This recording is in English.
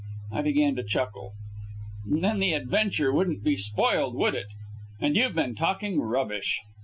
I began to chuckle. "Then the adventure wouldn't be spoiled, would it? And you've been talking rubbish."